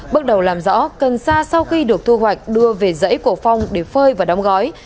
bước đầu làm rõ cần sa sau khi được thu hoạch đưa về dãy của phong để phơi và đóng gói